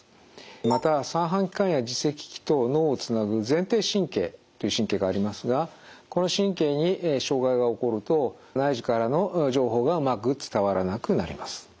また三半規管や耳石器と脳をつなぐ前庭神経という神経がありますがこの神経に障害が起こると内耳からの情報がうまく伝わらなくなります。